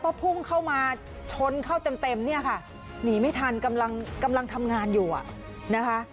ก็พุ่งเข้ามาชนเข้าเต็มเนี่ยค่ะหนีไม่ทันกำลังทำงานอยู่อ่ะนะคะ